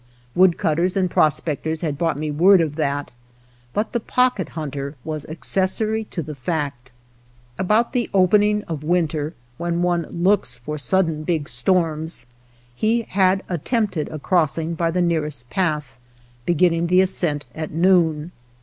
Woodcutters and prospectors had brought me word of that, but the Pocket Hunter was accessory to the fact. About the opening of winter, when one looks for sudden big storms, he had at 74 THE POCKET HUNTER tempted a crossing by the nearest path, beginning the ascent at noon.